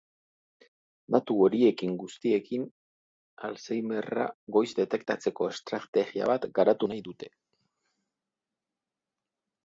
Datu horiekin guztiekin, alzheimerra goiz detektatzeko estrategia bat garatu nahi dute.